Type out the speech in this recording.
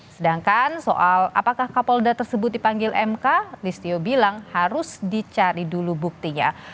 sedangkan soal apakah kapolda tersebut dipanggil mk listio bilang harus dicari dulu buktinya